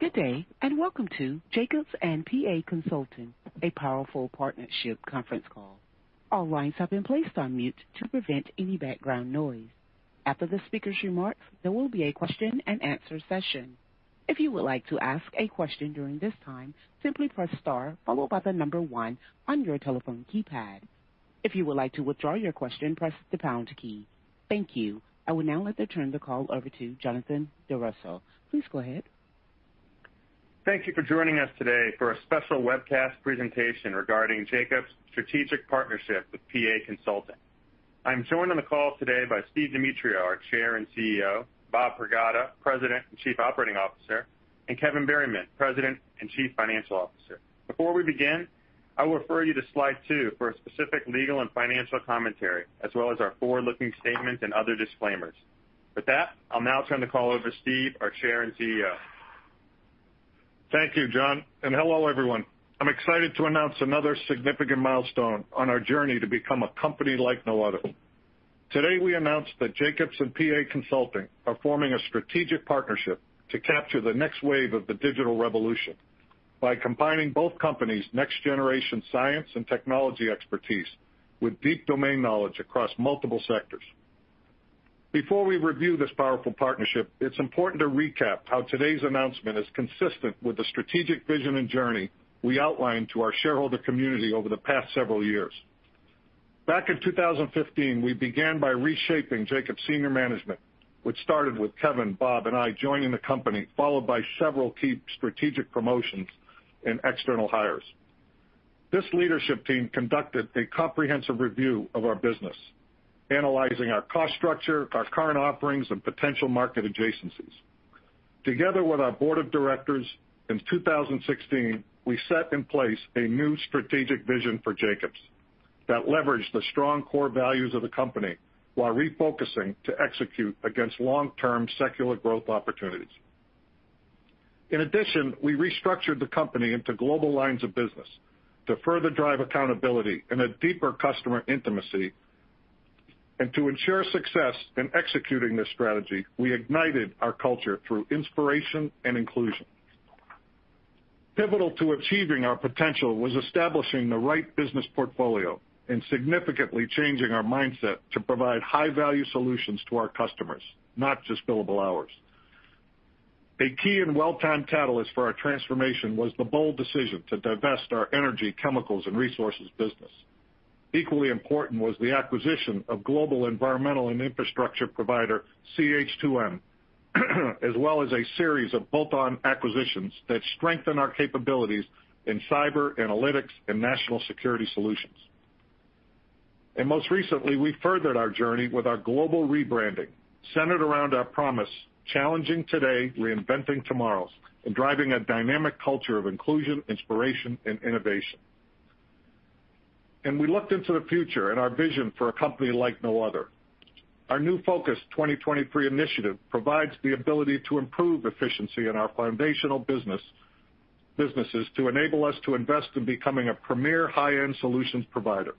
Good day, and welcome to Jacobs and PA Consulting, a powerful partnership conference call. All lines have been placed on mute to prevent any background noise. After the speaker's remarks, there will be a question-and-answer session. If you would like to ask a question during this time, simply press star, followed by the number one on your telephone keypad. If you would like to withdraw your question, press the pound key. Thank you. I will now like to turn the call over to Jonathan Doros. Please go ahead. Thank you for joining us today for a special webcast presentation regarding Jacobs' strategic partnership with PA Consulting. I'm joined on the call today by Steve Demetriou, our Chair and CEO, Bob Pragada, President and Chief Operating Officer, and Kevin Berryman, President and Chief Financial Officer. Before we begin, I will refer you to slide two for specific legal and financial commentary, as well as our forward-looking statement and other disclaimers. With that, I'll now turn the call over to Steve, our Chair and CEO. Thank you, Jon, and hello everyone. I'm excited to announce another significant milestone on our journey to become a company like no other. Today we announce that Jacobs and PA Consulting are forming a strategic partnership to capture the next wave of the digital revolution by combining both companies' next-generation science and technology expertise with deep domain knowledge across multiple sectors. Before we review this powerful partnership, it's important to recap how today's announcement is consistent with the strategic vision and journey we outlined to our shareholder community over the past several years. Back in 2015, we began by reshaping Jacobs' senior management, which started with Kevin, Bob, and I joining the company, followed by several key strategic promotions and external hires. This leadership team conducted a comprehensive review of our business, analyzing our cost structure, our current offerings, and potential market adjacencies. Together with our board of directors, in 2016, we set in place a new strategic vision for Jacobs that leveraged the strong core values of the company while refocusing to execute against long-term secular growth opportunities. In addition, we restructured the company into global lines of business to further drive accountability and a deeper customer intimacy, and to ensure success in executing this strategy, we ignited our culture through inspiration and inclusion. Pivotal to achieving our potential was establishing the right business portfolio and significantly changing our mindset to provide high-value solutions to our customers, not just billable hours. A key and well-timed catalyst for our transformation was the bold decision to divest our energy, chemicals, and resources business. Equally important was the acquisition of global environmental and infrastructure provider CH2M, as well as a series of bolt-on acquisitions that strengthen our capabilities in cyber, analytics, and national security solutions. Most recently, we furthered our journey with our global rebranding centered around our promise: Challenging Today, Reinventing Tomorrow, and driving a dynamic culture of inclusion, inspiration, and innovation. We looked into the future and our vision for a company like no other. Our new Focus 2023 initiative provides the ability to improve efficiency in our foundational businesses to enable us to invest in becoming a premier high-end solutions provider.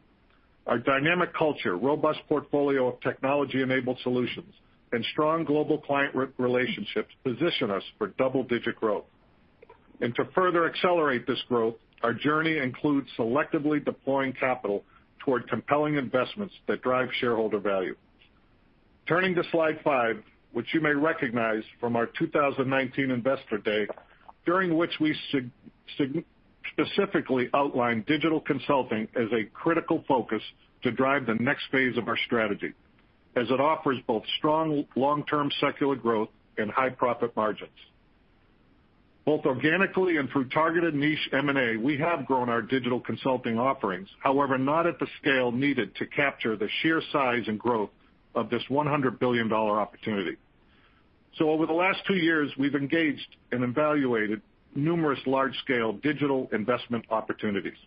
Our dynamic culture, robust portfolio of technology-enabled solutions, and strong global client relationships position us for double-digit growth. To further accelerate this growth, our journey includes selectively deploying capital toward compelling investments that drive shareholder value. Turning to slide five, which you may recognize from our 2019 investor day, during which we specifically outlined digital consulting as a critical focus to drive the next phase of our strategy, as it offers both strong long-term secular growth and high profit margins. Both organically and through targeted niche M&A, we have grown our digital consulting offerings, however, not at the scale needed to capture the sheer size and growth of this $100 billion opportunity. So over the last two years, we've engaged and evaluated numerous large-scale digital investment opportunities,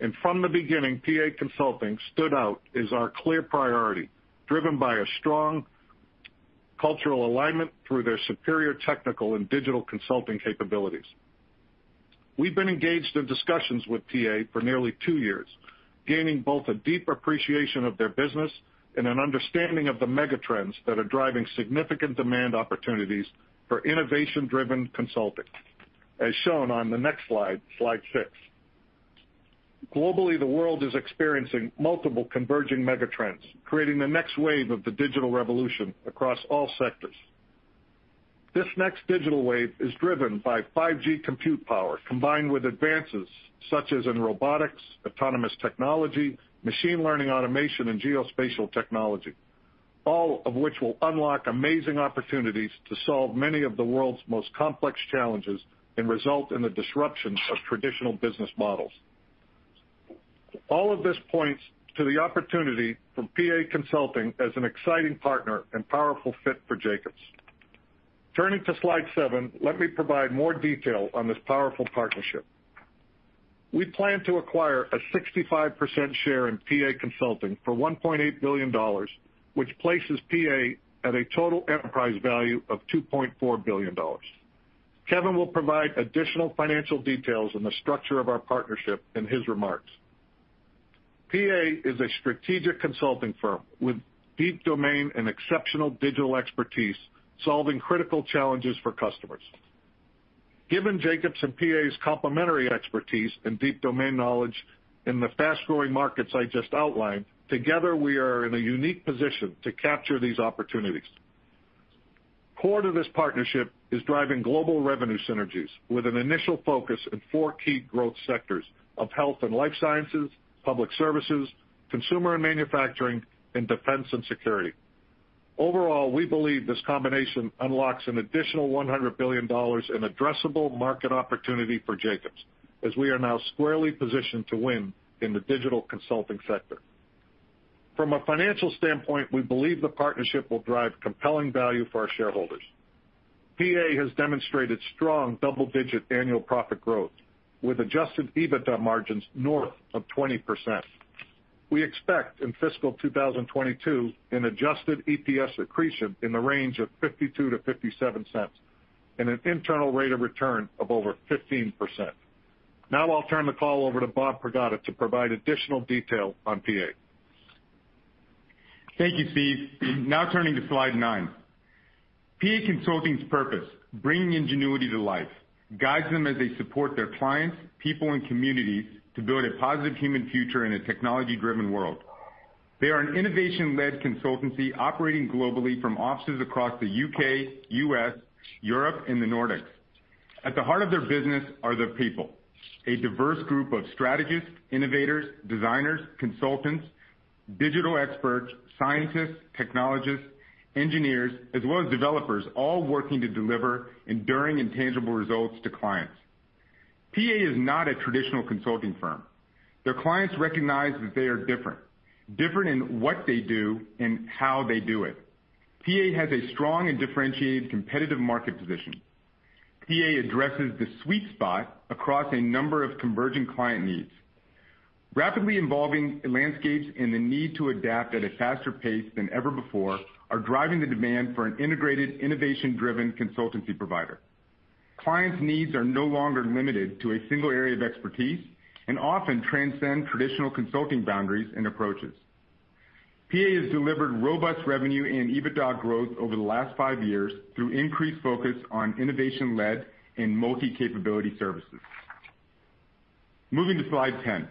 and from the beginning, PA Consulting stood out as our clear priority, driven by a strong cultural alignment through their superior technical and digital consulting capabilities. We've been engaged in discussions with PA for nearly two years, gaining both a deep appreciation of their business and an understanding of the mega trends that are driving significant demand opportunities for innovation-driven consulting, as shown on the next slide, slide six. Globally, the world is experiencing multiple converging mega trends, creating the next wave of the digital revolution across all sectors. This next digital wave is driven by 5G compute power combined with advances such as in robotics, autonomous technology, machine learning automation, and geospatial technology, all of which will unlock amazing opportunities to solve many of the world's most complex challenges and result in the disruption of traditional business models. All of this points to the opportunity for PA Consulting as an exciting partner and powerful fit for Jacobs. Turning to slide seven, let me provide more detail on this powerful partnership. We plan to acquire a 65% share in PA Consulting for $1.8 billion, which places PA at a total enterprise value of $2.4 billion. Kevin will provide additional financial details on the structure of our partnership in his remarks. PA is a strategic consulting firm with deep domain and exceptional digital expertise, solving critical challenges for customers. Given Jacobs and PA's complementary expertise and deep domain knowledge in the fast-growing markets I just outlined, together we are in a unique position to capture these opportunities. Core to this partnership is driving global revenue synergies with an initial focus in four key growth sectors of health and life sciences, public services, consumer and manufacturing, and defense and security. Overall, we believe this combination unlocks an additional $100 billion in addressable market opportunity for Jacobs, as we are now squarely positioned to win in the digital consulting sector. From a financial standpoint, we believe the partnership will drive compelling value for our shareholders. PA has demonstrated strong double-digit annual profit growth with adjusted EBITDA margins north of 20%. We expect in fiscal 2022 an adjusted EPS accretion in the range of $0.52-$0.57 and an internal rate of return of over 15%. Now I'll turn the call over to Bob Pragada to provide additional detail on PA. Thank you, Steve. Now turning to slide nine, PA Consulting's purpose: Bringing Ingenuity to Life, guides them as they support their clients, people, and communities to build a positive human future in a technology-driven world. They are an innovation-led consultancy operating globally from offices across the U.K., U.S., Europe, and the Nordics. At the heart of their business are their people: a diverse group of strategists, innovators, designers, consultants, digital experts, scientists, technologists, engineers, as well as developers, all working to deliver enduring and tangible results to clients. PA is not a traditional consulting firm. Their clients recognize that they are different, different in what they do and how they do it. PA has a strong and differentiated competitive market position. PA addresses the sweet spot across a number of converging client needs. Rapidly evolving landscapes and the need to adapt at a faster pace than ever before are driving the demand for an integrated, innovation-driven consultancy provider. Clients' needs are no longer limited to a single area of expertise and often transcend traditional consulting boundaries and approaches. PA has delivered robust revenue and EBITDA growth over the last five years through increased focus on innovation-led and multi-capability services. Moving to slide 10,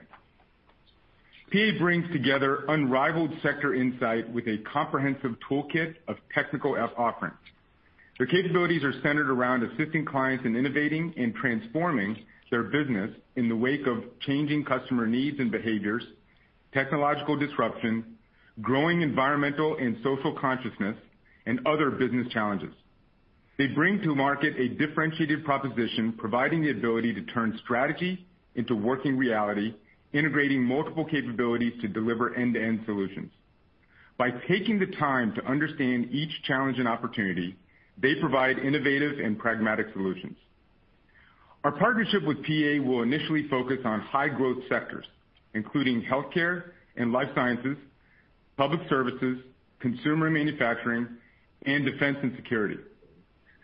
PA brings together unrivaled sector insight with a comprehensive toolkit of technical offerings. Their capabilities are centered around assisting clients in innovating and transforming their business in the wake of changing customer needs and behaviors, technological disruption, growing environmental and social consciousness, and other business challenges. They bring to market a differentiated proposition, providing the ability to turn strategy into working reality, integrating multiple capabilities to deliver end-to-end solutions. By taking the time to understand each challenge and opportunity, they provide innovative and pragmatic solutions. Our partnership with PA will initially focus on high-growth sectors, including healthcare and life sciences, public services, consumer manufacturing, and defense and security.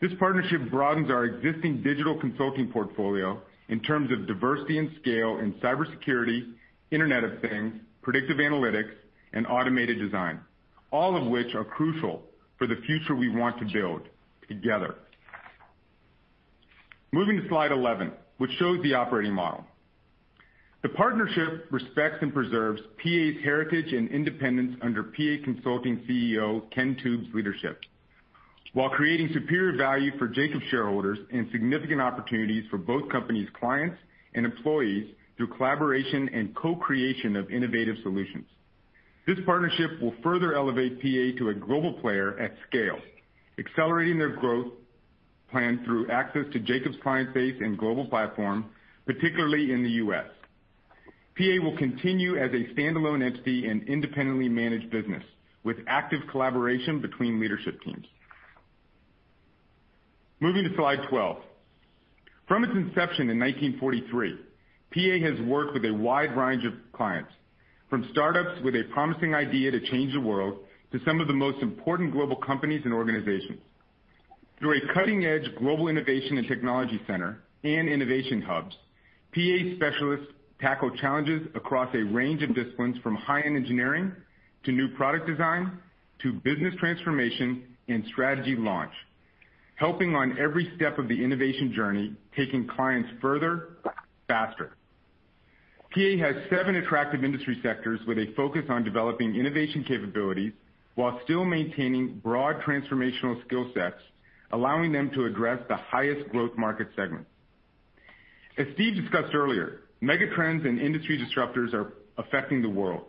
This partnership broadens our existing digital consulting portfolio in terms of diversity and scale in cybersecurity, Internet of Things, predictive analytics, and automated design, all of which are crucial for the future we want to build together. Moving to slide 11, which shows the operating model. The partnership respects and preserves PA's heritage and independence under PA Consulting CEO Ken Toombs's leadership, while creating superior value for Jacobs shareholders and significant opportunities for both companies' clients and employees through collaboration and co-creation of innovative solutions. This partnership will further elevate PA to a global player at scale, accelerating their growth plan through access to Jacobs' client base and global platform, particularly in the U.S. PA will continue as a standalone entity and independently managed business with active collaboration between leadership teams. Moving to slide 12, from its inception in 1943, PA has worked with a wide range of clients, from startups with a promising idea to change the world to some of the most important global companies and organizations. Through a cutting-edge global innovation and technology center and innovation hubs, PA specialists tackle challenges across a range of disciplines, from high-end engineering to new product design to business transformation and strategy launch, helping on every step of the innovation journey, taking clients further, faster. PA has seven attractive industry sectors with a focus on developing innovation capabilities while still maintaining broad transformational skill sets, allowing them to address the highest growth market segment. As Steve discussed earlier, mega trends and industry disruptors are affecting the world.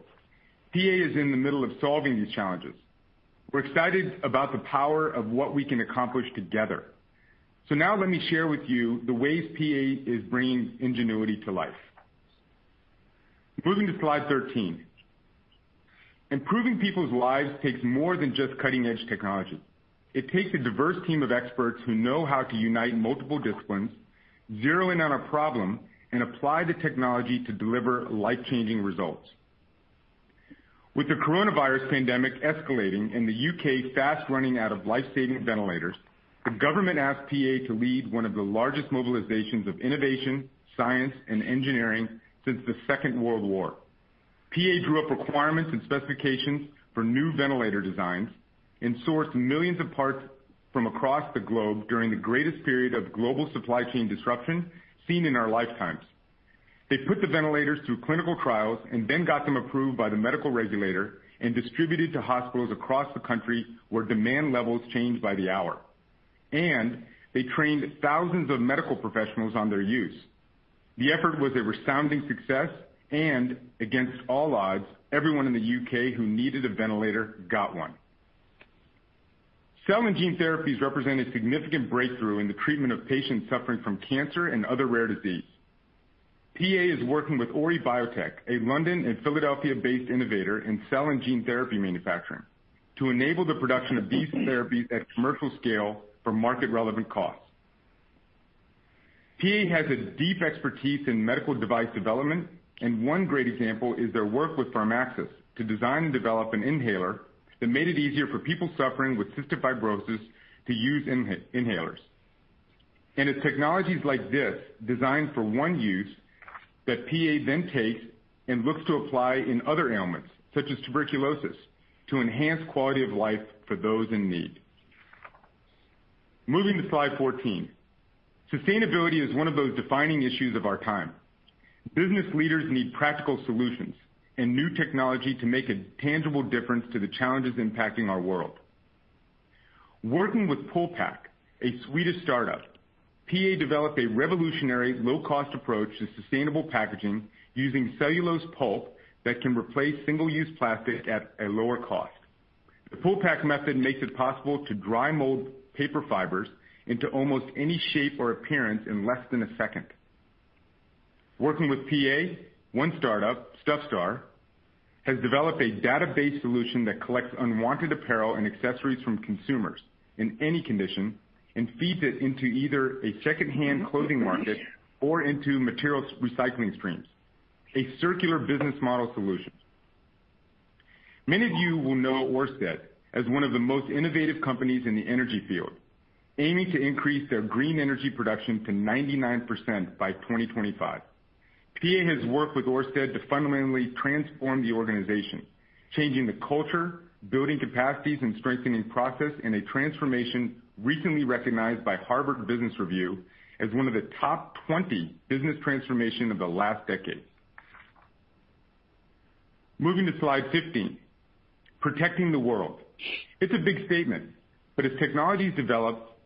PA is in the middle of solving these challenges. We're excited about the power of what we can accomplish together. So now let me share with you the ways PA is bringing ingenuity to life. Moving to slide 13, improving people's lives takes more than just cutting-edge technology. It takes a diverse team of experts who know how to unite multiple disciplines, zero in on a problem, and apply the technology to deliver life-changing results. With the coronavirus pandemic escalating and the U.K. fast running out of life-saving ventilators, the government asked PA to lead one of the largest mobilizations of innovation, science, and engineering since the Second World War. PA drew up requirements and specifications for new ventilator designs and sourced millions of parts from across the globe during the greatest period of global supply chain disruption seen in our lifetimes. They put the ventilators through clinical trials and then got them approved by the medical regulator and distributed to hospitals across the country where demand levels changed by the hour. And they trained thousands of medical professionals on their use. The effort was a resounding success, and against all odds, everyone in the U.K. who needed a ventilator got one. Cell and gene therapies represent a significant breakthrough in the treatment of patients suffering from cancer and other rare disease. PA is working with Ori Biotech, a London and Philadelphia-based innovator in cell and gene therapy manufacturing, to enable the production of these therapies at commercial scale for market-relevant costs. PA has a deep expertise in medical device development, and one great example is their work with Pharmaxis to design and develop an inhaler that made it easier for people suffering with cystic fibrosis to use inhalers, and it's technologies like this designed for one use that PA then takes and looks to apply in other ailments, such as tuberculosis, to enhance quality of life for those in need. Moving to slide 14, sustainability is one of those defining issues of our time. Business leaders need practical solutions and new technology to make a tangible difference to the challenges impacting our world. Working with PulPac, a Swedish startup, PA developed a revolutionary low-cost approach to sustainable packaging using cellulose pulp that can replace single-use plastic at a lower cost. The PulPac method makes it possible to dry mold paper fibers into almost any shape or appearance in less than a second. Working with PA, one startup, Stuffstr, has developed a database solution that collects unwanted apparel and accessories from consumers in any condition and feeds it into either a second-hand clothing market or into materials recycling streams, a circular business model solution. Many of you will know Ørsted as one of the most innovative companies in the energy field, aiming to increase their green energy production to 99% by 2025. PA has worked with Ørsted to fundamentally transform the organization, changing the culture, building capacities, and strengthening process in a transformation recently recognized by Harvard Business Review as one of the top 20 business transformations of the last decade. Moving to slide 15, protecting the world. It's a big statement, but as technologies develop,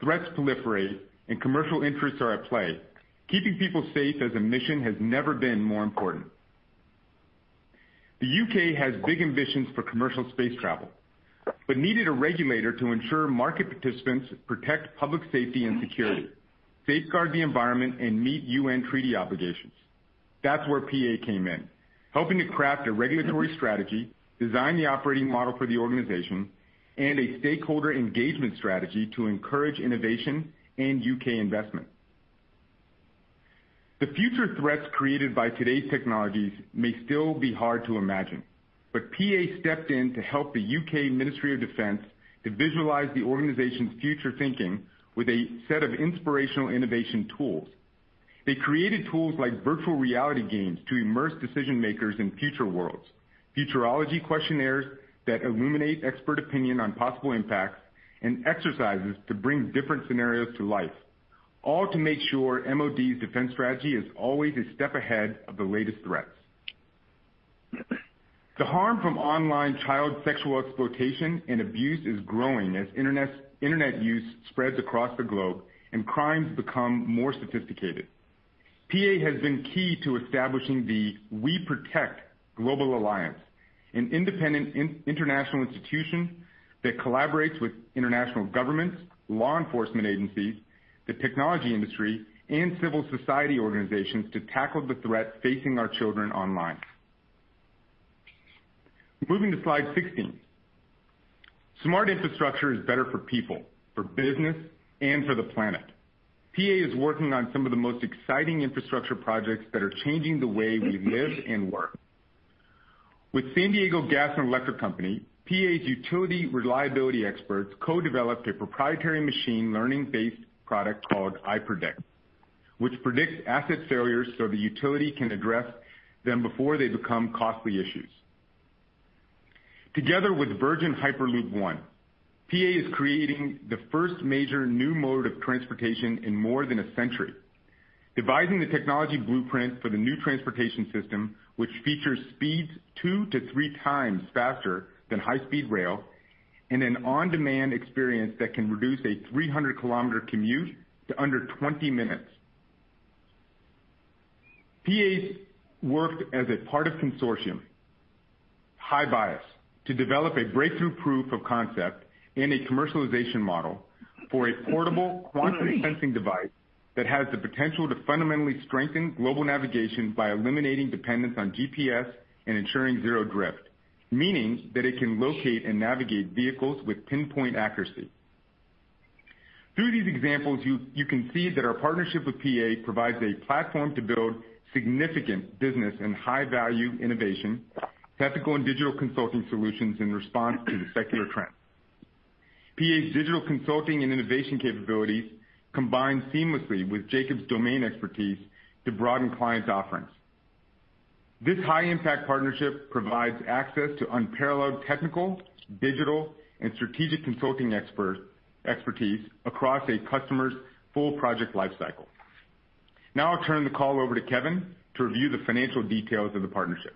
threats proliferate, and commercial interests are at play, keeping people safe as a mission has never been more important. The U.K. has big ambitions for commercial space travel, but needed a regulator to ensure market participants protect public safety and security, safeguard the environment, and meet U.N. treaty obligations. That's where PA came in, helping to craft a regulatory strategy, design the operating model for the organization, and a stakeholder engagement strategy to encourage innovation and U.K. investment. The future threats created by today's technologies may still be hard to imagine, but PA stepped in to help the UK Ministry of Defence to visualize the organization's future thinking with a set of inspirational innovation tools. They created tools like virtual reality games to immerse decision-makers in future worlds, futurology questionnaires that illuminate expert opinion on possible impacts, and exercises to bring different scenarios to life, all to make sure MoD's defense strategy is always a step ahead of the latest threats. The harm from online child sexual exploitation and abuse is growing as internet use spreads across the globe and crimes become more sophisticated. PA has been key to establishing the WeProtect Global Alliance, an independent international institution that collaborates with international governments, law enforcement agencies, the technology industry, and civil society organizations to tackle the threat facing our children online. Moving to slide 16, smart infrastructure is better for people, for business, and for the planet. PA is working on some of the most exciting infrastructure projects that are changing the way we live and work. With San Diego Gas and Electric Company, PA's utility reliability experts co-developed a proprietary machine learning-based product called iPredict, which predicts asset failures so the utility can address them before they become costly issues. Together with Virgin Hyperloop One, PA is creating the first major new mode of transportation in more than a century, devising the technology blueprint for the new transportation system, which features speeds two to three times faster than high-speed rail and an on-demand experience that can reduce a 300-kilometer commute to under 20 minutes. PA's worked as a part of consortium High-BIAS to develop a breakthrough proof of concept and a commercialization model for a portable quantum sensing device that has the potential to fundamentally strengthen global navigation by eliminating dependence on GPS and ensuring zero drift, meaning that it can locate and navigate vehicles with pinpoint accuracy. Through these examples, you can see that our partnership with PA provides a platform to build significant business and high-value innovation, technical and digital consulting solutions in response to the secular trend. PA's digital consulting and innovation capabilities combine seamlessly with Jacobs' domain expertise to broaden clients' offerings. This high-impact partnership provides access to unparalleled technical, digital, and strategic consulting expertise across a customer's full project lifecycle. Now I'll turn the call over to Kevin to review the financial details of the partnership.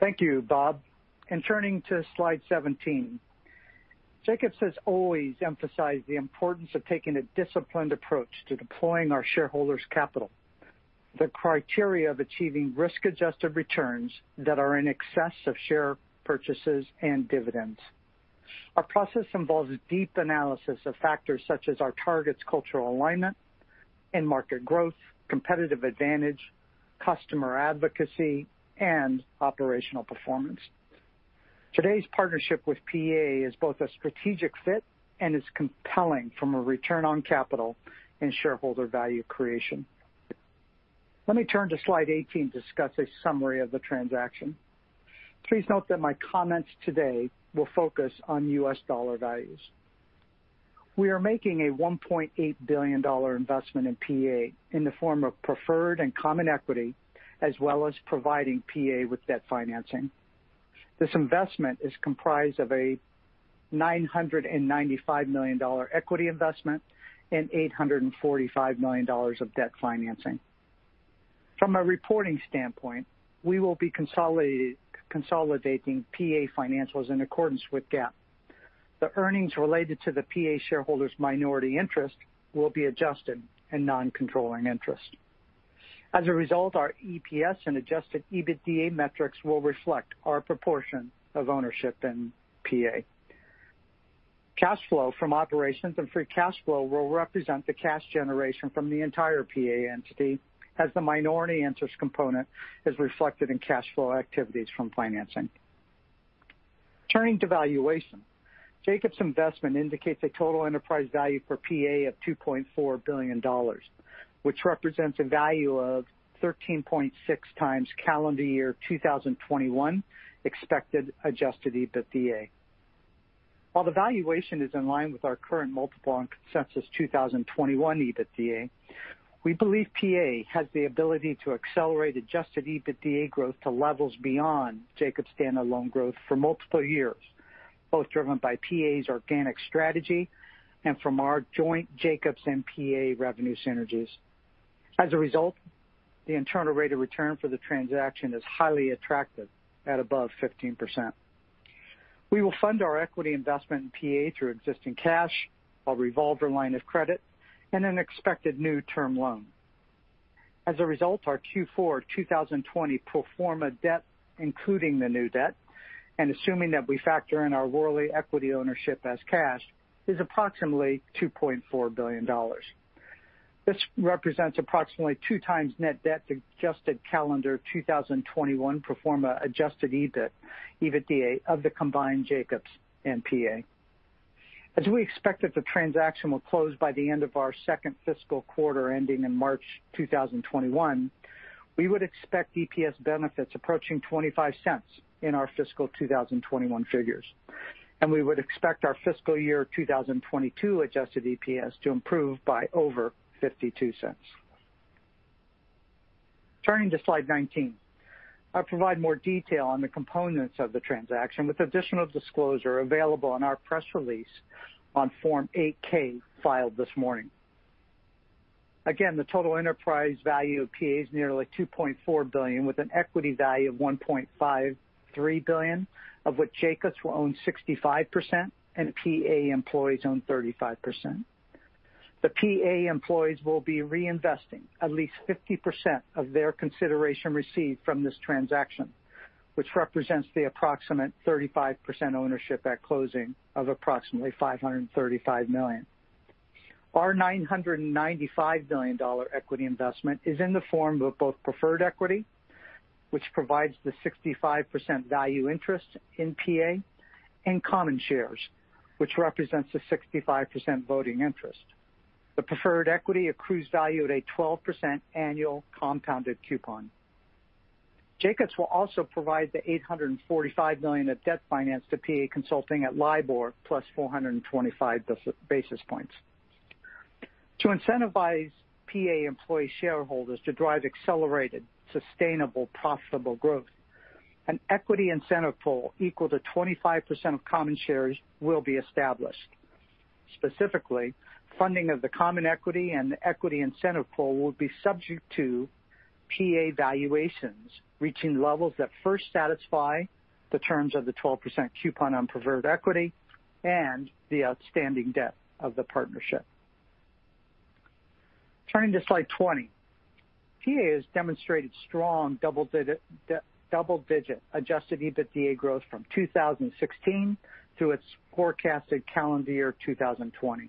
Thank you, Bob. Turning to slide 17, Jacobs has always emphasized the importance of taking a disciplined approach to deploying our shareholders' capital, the criteria of achieving risk-adjusted returns that are in excess of share purchases and dividends. Our process involves deep analysis of factors such as our target's cultural alignment and market growth, competitive advantage, customer advocacy, and operational performance. Today's partnership with PA is both a strategic fit and is compelling from a return on capital and shareholder value creation. Let me turn to slide 18 to discuss a summary of the transaction. Please note that my comments today will focus on U.S. dollar values. We are making a $1.8 billion investment in PA in the form of preferred and common equity, as well as providing PA with debt financing. This investment is comprised of a $995 million equity investment and $845 million of debt financing. From a reporting standpoint, we will be consolidating PA financials in accordance with GAAP. The earnings related to the PA shareholders' minority interest will be adjusted and non-controlling interest. As a result, our EPS and adjusted EBITDA metrics will reflect our proportion of ownership in PA. Cash flow from operations and free cash flow will represent the cash generation from the entire PA entity, as the minority interest component is reflected in cash flow activities from financing. Turning to valuation, Jacobs' investment indicates a total enterprise value for PA of $2.4 billion, which represents a value of 13.6 times calendar year 2021 expected adjusted EBITDA. While the valuation is in line with our current multiple on consensus 2021 EBITDA, we believe PA has the ability to accelerate adjusted EBITDA growth to levels beyond Jacobs' standalone growth for multiple years, both driven by PA's organic strategy and from our joint Jacobs and PA revenue synergies. As a result, the internal rate of return for the transaction is highly attractive at above 15%. We will fund our equity investment in PA through existing cash, a revolver line of credit, and an expected new term loan. As a result, our Q4 2020 pro forma debt, including the new debt, and assuming that we factor in our wholly equity ownership as cash, is approximately $2.4 billion. This represents approximately two times net debt to adjusted calendar 2021 pro forma adjusted EBITDA of the combined Jacobs and PA. As we expect that the transaction will close by the end of our second fiscal quarter ending in March 2021, we would expect EPS benefits approaching $0.25 in our fiscal 2021 figures, and we would expect our fiscal year 2022 adjusted EPS to improve by over $0.52. Turning to slide 19, I provide more detail on the components of the transaction with additional disclosure available on our press release on Form 8-K filed this morning. Again, the total enterprise value of PA is nearly $2.4 billion, with an equity value of $1.53 billion, of which Jacobs will own 65% and PA employees own 35%. The PA employees will be reinvesting at least 50% of their consideration received from this transaction, which represents the approximate 35% ownership at closing of approximately $535 million. Our $995 million equity investment is in the form of both preferred equity, which provides the 65% value interest in PA, and common shares, which represents the 65% voting interest. The preferred equity accrues value at a 12% annual compounded coupon. Jacobs will also provide the $845 million of debt finance to PA Consulting at LIBOR plus 425 basis points. To incentivize PA employee shareholders to drive accelerated, sustainable, profitable growth, an equity incentive pool equal to 25% of common shares will be established. Specifically, funding of the common equity and the equity incentive pool will be subject to PA valuations reaching levels that first satisfy the terms of the 12% coupon on preferred equity and the outstanding debt of the partnership. Turning to slide 20, PA has demonstrated strong double-digit adjusted EBITDA growth from 2016 through its forecasted calendar year 2020.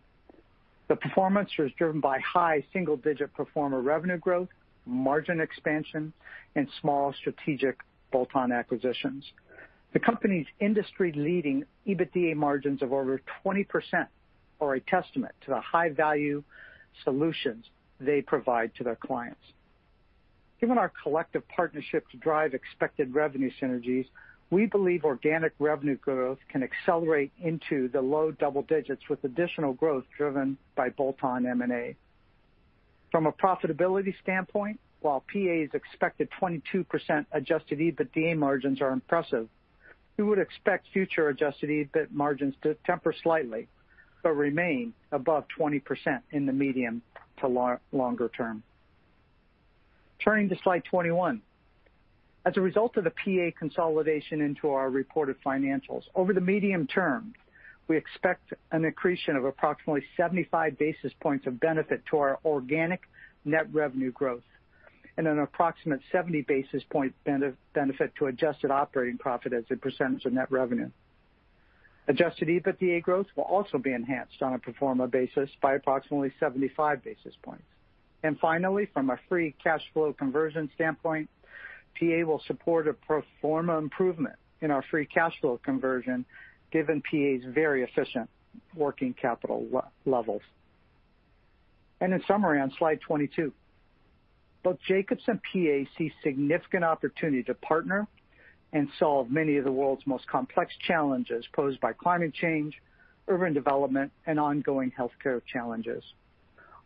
The performance is driven by high single-digit pro forma revenue growth, margin expansion, and small strategic bolt-on acquisitions. The company's industry-leading EBITDA margins of over 20% are a testament to the high-value solutions they provide to their clients. Given our collective partnership to drive expected revenue synergies, we believe organic revenue growth can accelerate into the low double digits with additional growth driven by bolt-on M&A. From a profitability standpoint, while PA's expected 22% adjusted EBITDA margins are impressive, we would expect future adjusted EBIT margins to temper slightly but remain above 20% in the medium to longer term. Turning to slide 21, as a result of the PA consolidation into our reported financials, over the medium term, we expect an accretion of approximately 75 basis points of benefit to our organic net revenue growth and an approximate 70 basis point benefit to adjusted operating profit as a percentage of net revenue. Adjusted EBITDA growth will also be enhanced on a pro forma basis by approximately 75 basis points. And finally, from a free cash flow conversion standpoint, PA will support a pro forma improvement in our free cash flow conversion given PA's very efficient working capital levels. And in summary on slide 22, both Jacobs and PA see significant opportunity to partner and solve many of the world's most complex challenges posed by climate change, urban development, and ongoing healthcare challenges.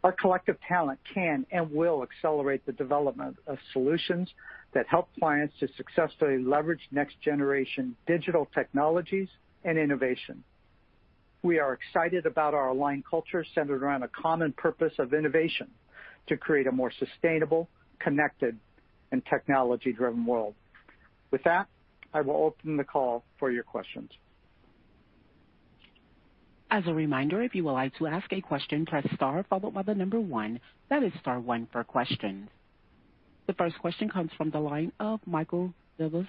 Our collective talent can and will accelerate the development of solutions that help clients to successfully leverage next-generation digital technologies and innovation. We are excited about our aligned culture centered around a common purpose of innovation to create a more sustainable, connected, and technology-driven world. With that, I will open the call for your questions. As a reminder, if you would like to ask a question, press star followed by the number one. That is star one for questions. The first question comes from the line of Michael Dudas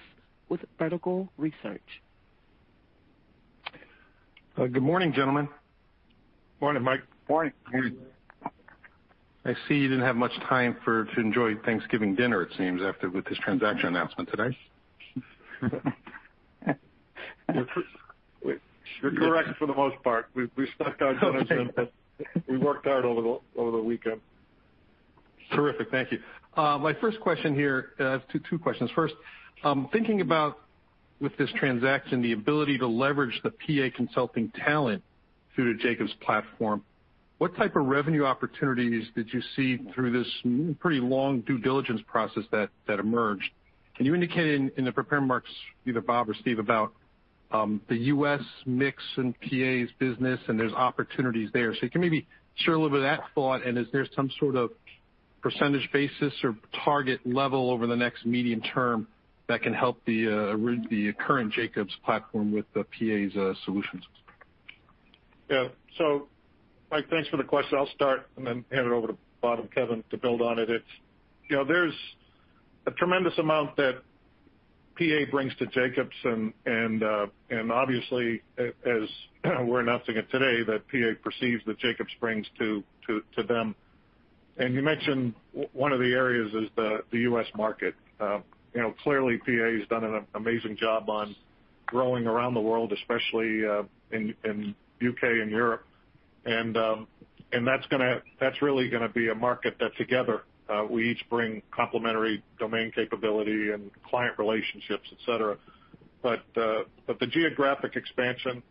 with Vertical Research Partners. Good morning, gentlemen. Morning, Mike. Morning. I see you didn't have much time to enjoy Thanksgiving dinner, it seems, after this transaction announcement today. You're correct for the most part. We've skipped our dinner, but we worked hard over the weekend. Terrific. Thank you. My first question here, two questions. First, thinking about with this transaction the ability to leverage the PA Consulting talent through the Jacobs platform, what type of revenue opportunities did you see through this pretty long due diligence process that emerged? Can you indicate in the prepared remarks, either Bob or Steve, about the U.S. mix in PA's business and there's opportunities there? So you can maybe share a little bit of that thought, and is there some sort of percentage basis or target level over the next medium term that can help the current Jacobs platform with PA's solutions? Yeah. So Mike, thanks for the question. I'll start and then hand it over to Bob and Kevin to build on it. There's a tremendous amount that PA brings to Jacobs, and obviously, as we're announcing it today, that PA perceives that Jacobs brings to them. And you mentioned one of the areas is the U.S. market. Clearly, PA has done an amazing job on growing around the world, especially in the U.K. and Europe. And that's really going to be a market that together we each bring complementary domain capability and client relationships, etc. But the geographic expansion,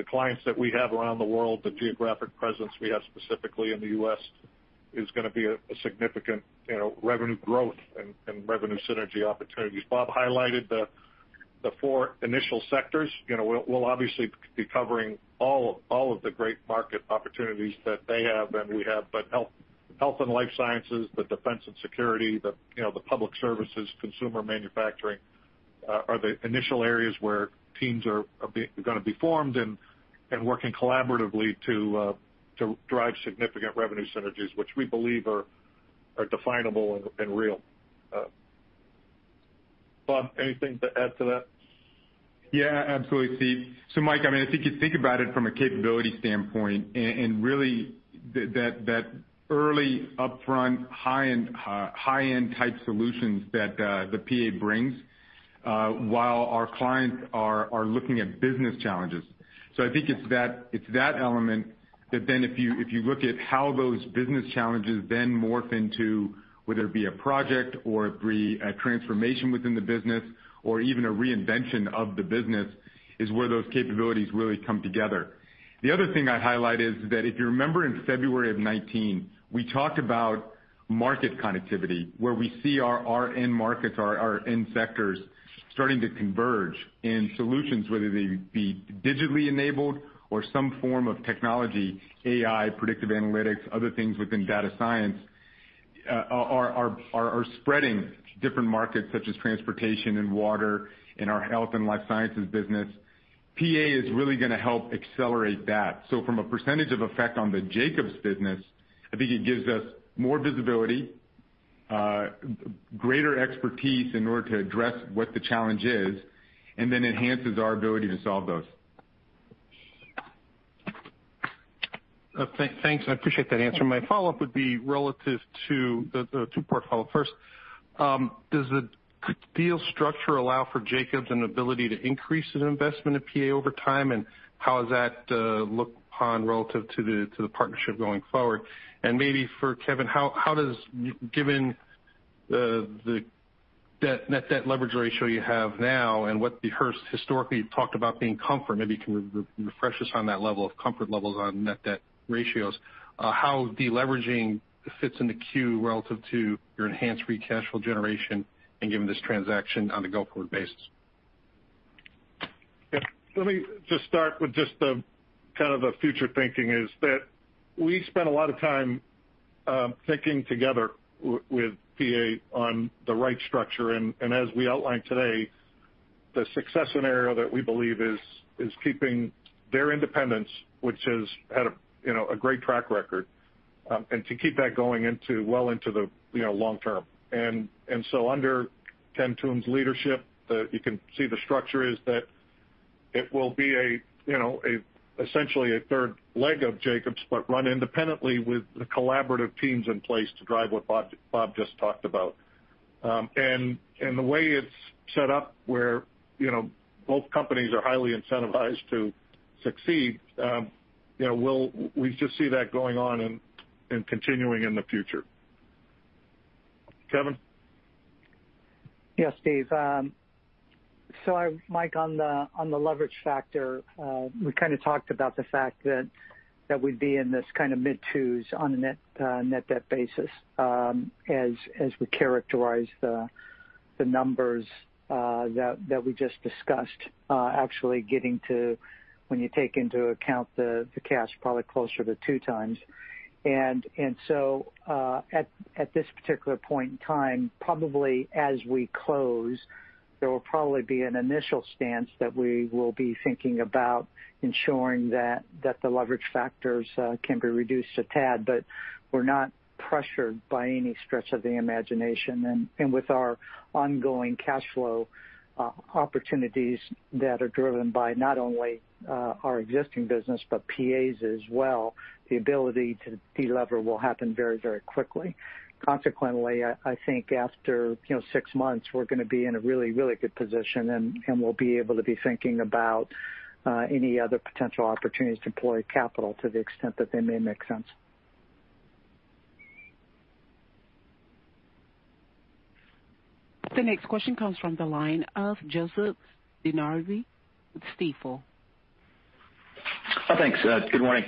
the clients that we have around the world, the geographic presence we have specifically in the U.S. is going to be a significant revenue growth and revenue synergy opportunities. Bob highlighted the four initial sectors. We'll obviously be covering all of the great market opportunities that they have and we have, but health and life sciences, the defense and security, the public services, consumer manufacturing are the initial areas where teams are going to be formed and working collaboratively to drive significant revenue synergies, which we believe are definable and real. Bob, anything to add to that? Yeah, absolutely. So Mike, I mean, I think you think about it from a capability standpoint, and really that early upfront high-end type solutions that the PA brings while our clients are looking at business challenges. So I think it's that element that then if you look at how those business challenges then morph into whether it be a project or a transformation within the business or even a reinvention of the business is where those capabilities really come together. The other thing I highlight is that if you remember in February of 2019, we talked about market connectivity where we see our end markets, our end sectors starting to converge in solutions, whether they be digitally enabled or some form of technology, AI, predictive analytics, other things within data science are spreading different markets such as transportation and water in our health and life sciences business. PA is really going to help accelerate that. So from a percentage of effect on the Jacobs business, I think it gives us more visibility, greater expertise in order to address what the challenge is, and then enhances our ability to solve those. Thanks. I appreciate that answer. My follow-up would be relative to the two-part follow-up. First, does the deal structure allow for Jacobs an ability to increase an investment in PA over time, and how does that look relative to the partnership going forward? And maybe for Kevin, how does, given the net debt leverage ratio you have now and what you've historically talked about being comfortable, maybe you can refresh us on that level of comfort levels on net debt ratios, how deleveraging fits in the queue relative to your enhanced free cash flow generation and given this transaction on a go forward basis? Yeah. Let me just start with just kind of the future thinking is that we spent a lot of time thinking together with PA on the right structure. As we outlined today, the success scenario that we believe is keeping their independence, which has had a great track record, and to keep that going well into the long term. So under Ken Toombs' leadership, you can see the structure is that it will be essentially a third leg of Jacobs, but run independently with the collaborative teams in place to drive what Bob just talked about. The way it's set up where both companies are highly incentivized to succeed, we just see that going on and continuing in the future. Kevin? Yes, Steve. So Mike, on the leverage factor, we kind of talked about the fact that we'd be in this kind of mid-2s on a net debt basis as we characterize the numbers that we just discussed, actually getting to, when you take into account the cash, probably closer to two times. And so at this particular point in time, probably as we close, there will probably be an initial stance that we will be thinking about ensuring that the leverage factors can be reduced a tad, but we're not pressured by any stretch of the imagination. And with our ongoing cash flow opportunities that are driven by not only our existing business, but PAs as well, the ability to delever will happen very, very quickly. Consequently, I think after six months, we're going to be in a really, really good position, and we'll be able to be thinking about any other potential opportunities to deploy capital to the extent that they may make sense. The next question comes from the line of Joseph DeNardi with Stifel. Thanks. Good morning.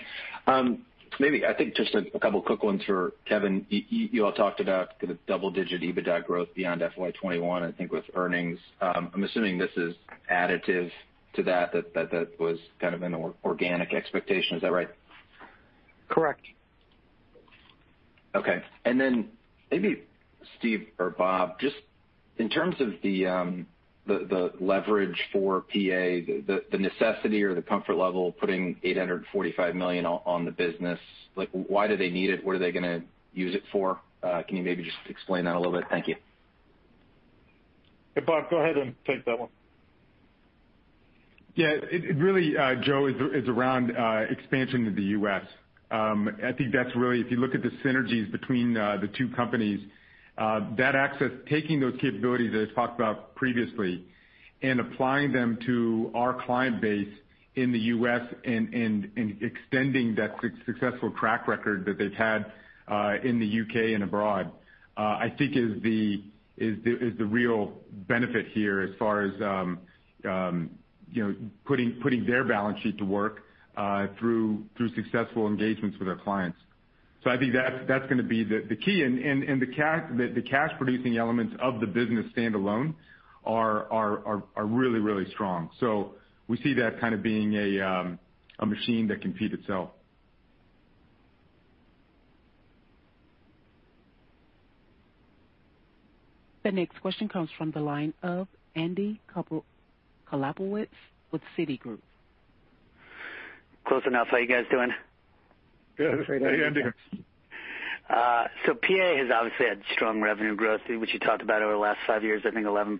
Maybe I think just a couple of quick ones for Kevin. You all talked about the double-digit EBITDA growth beyond FY21, I think, with earnings. I'm assuming this is additive to that, that that was kind of an organic expectation. Is that right? Correct. Okay. And then maybe Steve or Bob, just in terms of the leverage for PA, the necessity or the comfort level of putting $845 million on the business, why do they need it? What are they going to use it for? Can you maybe just explain that a little bit? Thank you. Yeah, Bob, go ahead and take that one. Yeah. It really, Joe, is around expansion to the U.S. I think that's really, if you look at the synergies between the two companies, that access, taking those capabilities that I talked about previously and applying them to our client base in the U.S. and extending that successful track record that they've had in the U.K. and abroad, I think is the real benefit here as far as putting their balance sheet to work through successful engagements with our clients. So I think that's going to be the key, and the cash-producing elements of the business standalone are really, really strong, so we see that kind of being a machine that can feed itself. The next question comes from the line of Andrew Kaplowitz with Citigroup. Close enough. How are you guys doing? Good. Hey, Andy. PA has obviously had strong revenue growth, which you talked about over the last five years, I think 11%.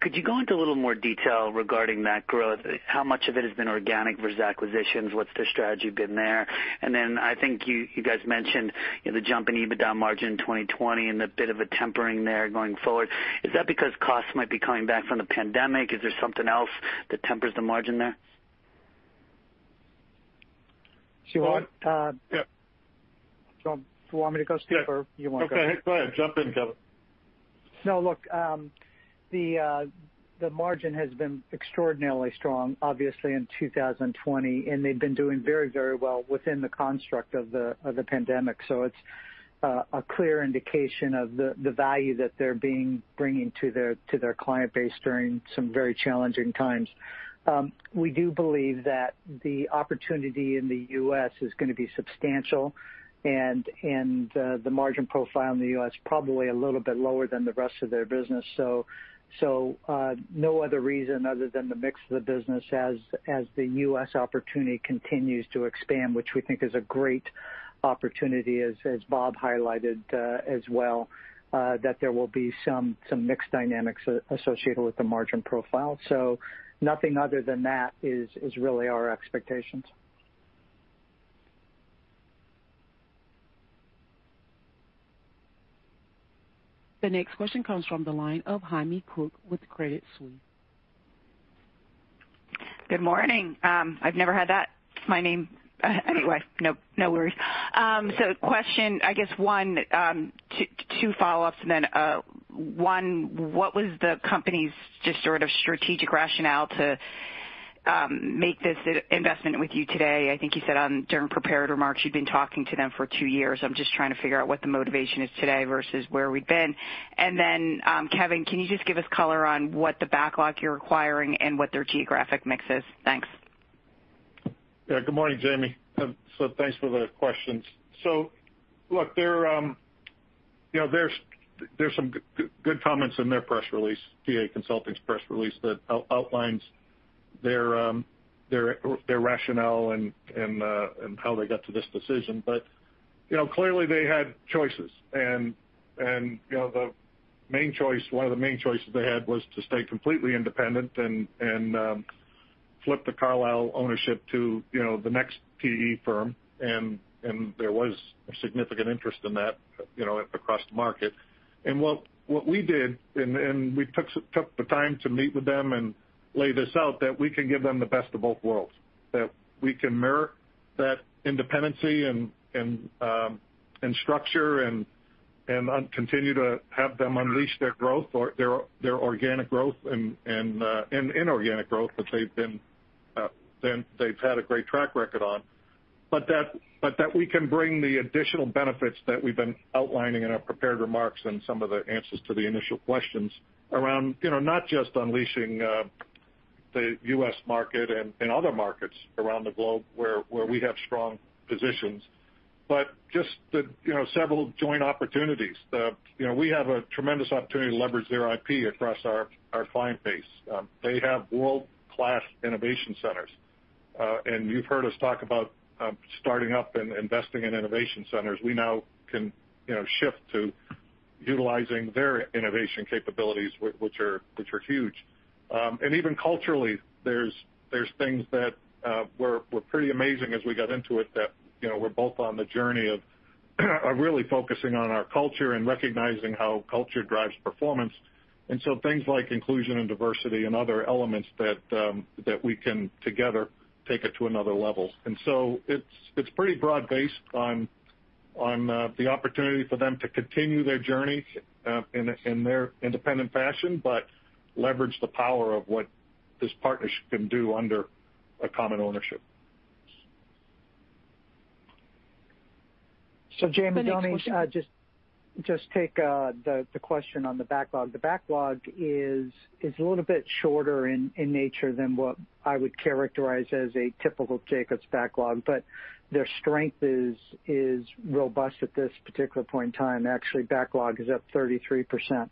Could you go into a little more detail regarding that growth? How much of it has been organic versus acquisitions? What's the strategy been there? And then I think you guys mentioned the jump in EBITDA margin in 2020 and a bit of a tempering there going forward. Is that because costs might be coming back from the pandemic? Is there something else that tempers the margin there? Do you want me to go, Steve, or do you want to go? Okay. Go ahead. Jump in, Kevin. No, look, the margin has been extraordinarily strong, obviously, in 2020, and they've been doing very, very well within the construct of the pandemic. So it's a clear indication of the value that they're bringing to their client base during some very challenging times. We do believe that the opportunity in the U.S. is going to be substantial, and the margin profile in the U.S. is probably a little bit lower than the rest of their business. So no other reason other than the mix of the business as the U.S. opportunity continues to expand, which we think is a great opportunity, as Bob highlighted as well, that there will be some mixed dynamics associated with the margin profile. So nothing other than that is really our expectations. The next question comes from the line of Jamie Cook with Credit Suisse. Good morning. I've never had that. My name. Anyway, no worries. So, question one, two follow-ups, and then one: what was the company's just sort of strategic rationale to make this investment with you today? I think you said during prepared remarks, you'd been talking to them for two years. I'm just trying to figure out what the motivation is today versus where we've been. And then Kevin, can you just give us color on what the backlog you're acquiring and what their geographic mix is? Thanks. Yeah. Good morning, Jamie. So thanks for the questions. So look, there's some good comments in their press release, PA Consulting's press release that outlines their rationale and how they got to this decision. But clearly, they had choices. And one of the main choices they had was to stay completely independent and flip the Carlyle ownership to the next PE firm. And there was significant interest in that across the market. What we did, and we took the time to meet with them and lay this out, that we can give them the best of both worlds, that we can mirror that independence and structure and continue to have them unleash their growth, their organic growth and inorganic growth that they've had a great track record on. But that we can bring the additional benefits that we've been outlining in our prepared remarks and some of the answers to the initial questions around not just unleashing the U.S. market and other markets around the globe where we have strong positions, but just several joint opportunities. We have a tremendous opportunity to leverage their IP across our client base. They have world-class innovation centers. You've heard us talk about starting up and investing in innovation centers. We now can shift to utilizing their innovation capabilities, which are huge. And even culturally, there's things that were pretty amazing as we got into it that we're both on the journey of really focusing on our culture and recognizing how culture drives performance. And so things like inclusion and diversity and other elements that we can together take it to another level. And so it's pretty broad-based on the opportunity for them to continue their journey in their independent fashion, but leverage the power of what this partnership can do under a common ownership. So Jamie, let me just take the question on the backlog. The backlog is a little bit shorter in nature than what I would characterize as a typical Jacobs backlog, but their strength is robust at this particular point in time. Actually, backlog is up 33%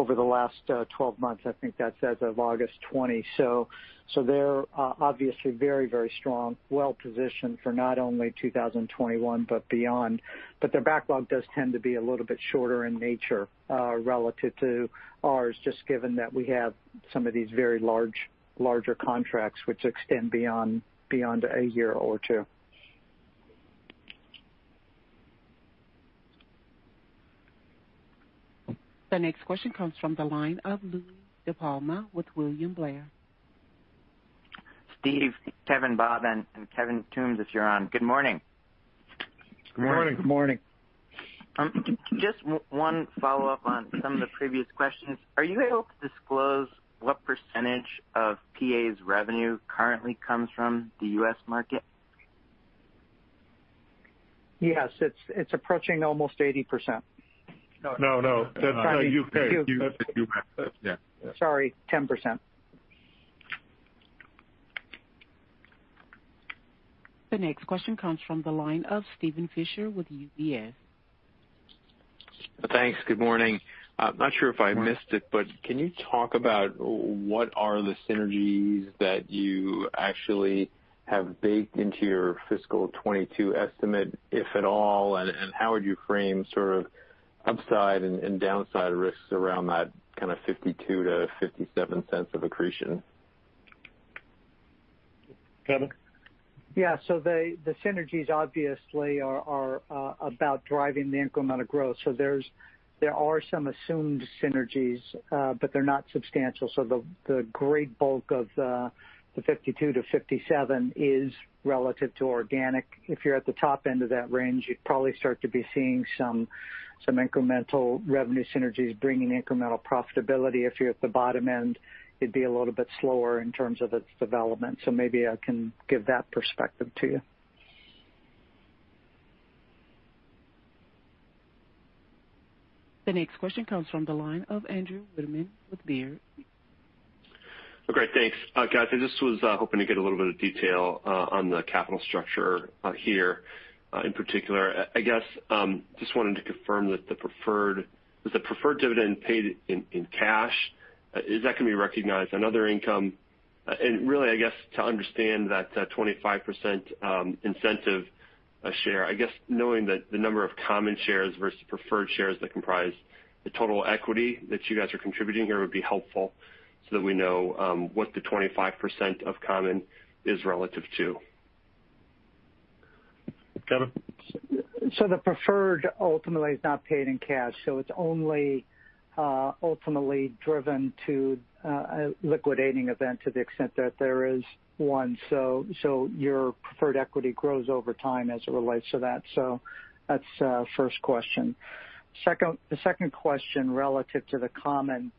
over the last 12 months. I think that's as of August 20. They're obviously very, very strong, well-positioned for not only 2021, but beyond. But their backlog does tend to be a little bit shorter in nature relative to ours, just given that we have some of these very larger contracts which extend beyond a year or two. The next question comes from the line of Louie DiPalma with William Blair. Steve, Kevin, Bob, and Ken Toombs, if you're on. Good morning. Good morning. Good morning. Just one follow-up on some of the previous questions. Are you able to disclose what percentage of PA's revenue currently comes from the U.S. market? Yes. It's approaching almost 80%. No, no. That's not a U.K. Sorry. 10%. The next question comes from the line of Steven Fisher with UBS. Thanks. Good morning. I'm not sure if I missed it, but can you talk about what are the synergies that you actually have baked into your fiscal 2022 estimate, if at all, and how would you frame sort of upside and downside risks around that kind of $0.52-$0.57 of accretion? Kevin? Yeah. So the synergies obviously are about driving the incremental growth. So there are some assumed synergies, but they're not substantial. So the great bulk of the $0.52-$0.57 is relative to organic. If you're at the top end of that range, you'd probably start to be seeing some incremental revenue synergies bringing incremental profitability. If you're at the bottom end, it'd be a little bit slower in terms of its development. So maybe I can give that perspective to you. The next question comes from the line of Andrew Wittmann with Baird. Okay. Thanks, guys. I just was hoping to get a little bit of detail on the capital structure here in particular. I guess just wanted to confirm that the preferred dividend paid in cash, is that going to be recognized on other income? And really, I guess to understand that 25% incentive share, I guess knowing that the number of common shares versus preferred shares that comprise the total equity that you guys are contributing here would be helpful so that we know what the 25% of common is relative to. Kevin? So the preferred ultimately is not paid in cash. So it's only ultimately driven to a liquidating event to the extent that there is one. So your preferred equity grows over time as it relates to that. So that's the first question. The second question relative to the common,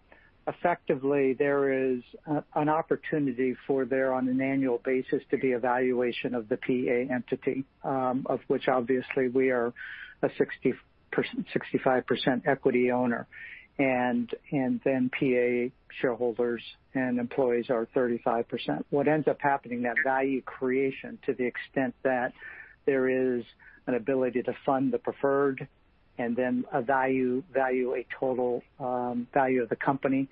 effectively, there is an opportunity for there on an annual basis to be a valuation of the PA entity, of which obviously we are a 65% equity owner. And then PA shareholders and employees are 35%. What ends up happening, that value creation to the extent that there is an ability to fund the preferred and then a value a total value of the company,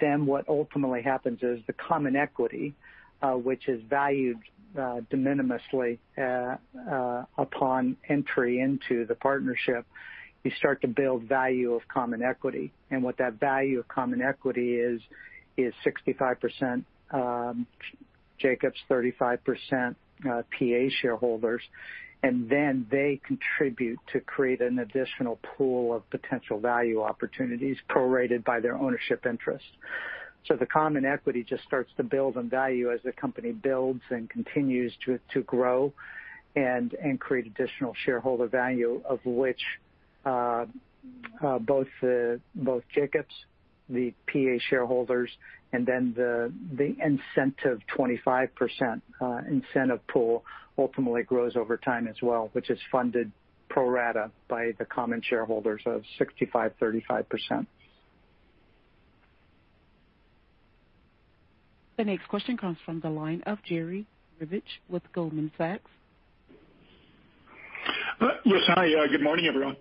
then what ultimately happens is the common equity, which is valued de minimis upon entry into the partnership, you start to build value of common equity. And what that value of common equity is, is 65% Jacobs, 35% PA shareholders. And then they contribute to create an additional pool of potential value opportunities prorated by their ownership interest. So the common equity just starts to build on value as the company builds and continues to grow and create additional shareholder value, of which both Jacobs, the PA shareholders, and then the incentive 25% incentive pool ultimately grows over time as well, which is funded pro rata by the common shareholders of 65%-35%. The next question comes from the line of Jerry Revich with Goldman Sachs. Yes, hi. Good morning, everyone.